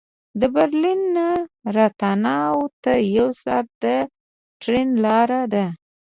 د برلین نه راتناو ته یو ساعت د ټرېن لاره ده